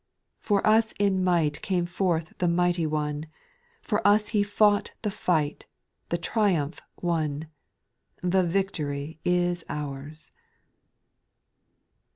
For us in might came forth the mighty One, For us He fought the fight, the triumph won : The victory is ours.